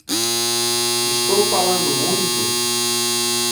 Estou falando muito?